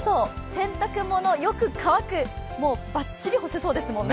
洗濯物、よく乾くバッチリ干せそうですもんね。